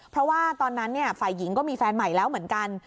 เพราะว่าตอนนั้นฝ่ายหญิงก็มีแฟนใหม่แล้วเหมือนกัน